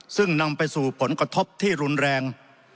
ซึ่งนำไปสู่ผลกระทบที่รุนแรง